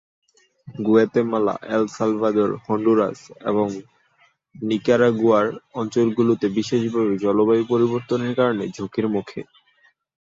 Guatemala, El Salvador, Honduras এবং নিকারাগুয়ার অঞ্চলগুলো বিশেষভাবে জলবায়ু পরিবর্তনের কারণে ঝুঁকির মুখে।